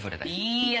いいや。